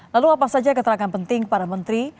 lalu apa saja keterangan penting para menteri